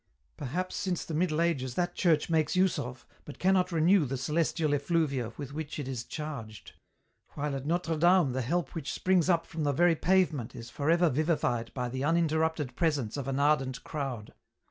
Perhaps since the Middle Ages that church makes use of, but cannot renew the celestial effluvia with which it is charged ; while at Notre Dame the help which springs up from the very pavement is for ever vivified by the unin terrupted presence of an ardent crowd.